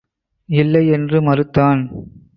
இல்லை என்று மறுத்தான்.